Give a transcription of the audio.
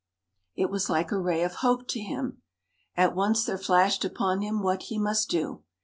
It was like a ray of hope to him. At once there flashed upon him what he must do.